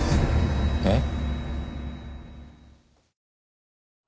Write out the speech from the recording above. えっ？